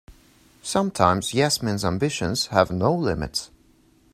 Sometimes Yasmin's ambitions have no limits.